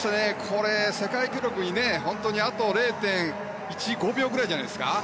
これ、世界記録にあと０．１５秒くらいじゃないですか。